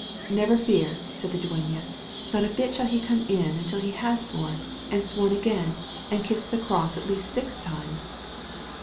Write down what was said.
"Never fear," said the dueña; "not a bit shall he come in until he has sworn, and sworn again, and kissed the cross at least six times."